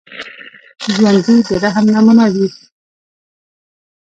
ژوندي د رحم نمونه وي